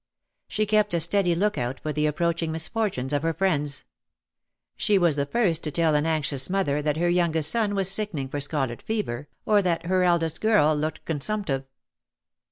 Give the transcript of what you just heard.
She kept a steady look out for the approaching misfortunes of her friends. She was the first to tell an anxious 186 "thou shouldst come like a fury mother that her youngest boy was sickening for scarlet fever^ or that her eldest girl looked con sumptive.